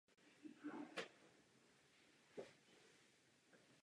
Sommer se zapojil do všech možných aspektů fotografického podnikání.